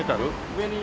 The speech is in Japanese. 上に。